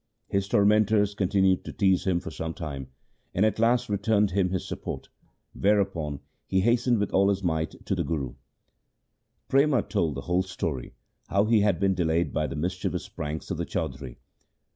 His tormentors con tinued to tease him for some time, and at last re turned him his support, whereupon he hastened with all his might to the Guru. Prema told the whole story how he had been delayed by the mischievous pranks of the chaudhri.